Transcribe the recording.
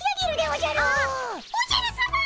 おじゃるさま！